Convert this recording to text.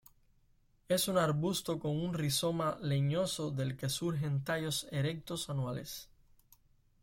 Es un arbusto con un rizoma leñoso del que surgen tallos erectos anuales.